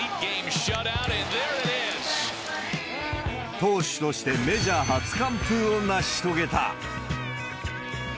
投手としてメジャー初完封を成し遂げた。